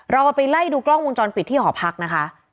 เราไปไล่ดูกล้องวงจรปิดที่หอพักนะคะ